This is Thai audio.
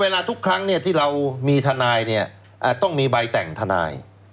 ดังนั้นเนี่ยที่เรามีทนายเนี่ยต้องมีใบแต่งทนาย